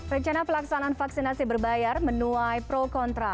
rencana pelaksanaan vaksinasi berbayar menuai pro kontra